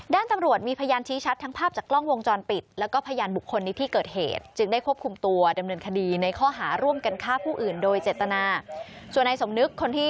ด้านตำรวจมีพยานชี้ชัดทั้งภาพจากกล้องวงจรปิดและก็พยานบุคคลนี้ที่เกิดเหตุ